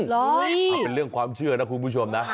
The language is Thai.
หรออุ๊ยเอาเป็นเรื่องความเชื่อนะคุณผู้ชมนะ